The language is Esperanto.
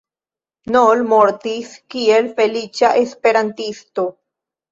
Noll mortis kiel feliĉa esperantisto.